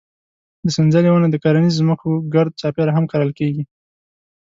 د سنځلې ونه د کرنیزو ځمکو ګرد چاپېره هم کرل کېږي.